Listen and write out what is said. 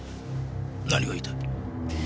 何が言いたい？